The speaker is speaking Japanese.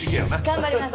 頑張ります。